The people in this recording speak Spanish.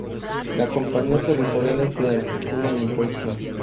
Las compañías territoriales se articulan en puestos.